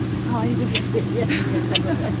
いやいやいやありがとうございます。